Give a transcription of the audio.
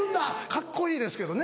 カッコいいですけどね